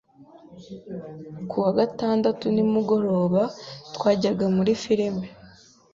Ku wa gatandatu nimugoroba, twajyaga muri firime.